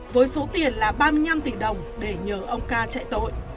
với số tiền là ba mươi năm tỷ đồng để nhờ ông ca chạy tội